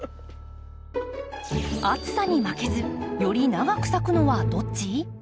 暑さに負けずより長く咲くのはどっち？